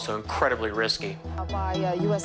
บิดลับขยะ